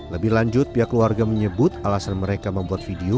lebih lanjut pihak keluarga menyebut alasan mereka membuat video